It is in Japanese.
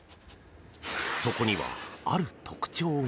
そこには、ある特徴が。